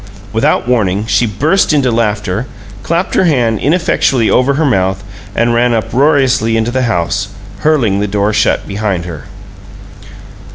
Without warning she burst into laughter, clapped her hand ineffectually over her mouth, and ran back uproariously into the house, hurling the door shut behind her.